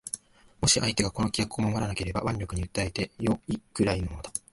もし相手がこの規約を守らなければ腕力に訴えて善いくらいのものだ